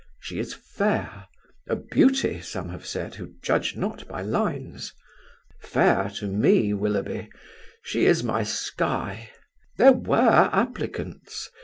She is fair; a Beauty, some have said, who judge not by lines. Fair to me, Willoughby! She is my sky. There were applicants.